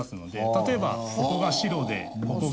例えばここが白でここが赤とか。